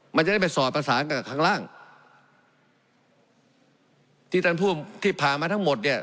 มันจะได้ไปสอดประสานกันกับข้างล่างที่ท่านพูดที่ผ่ามาทั้งหมดเนี่ย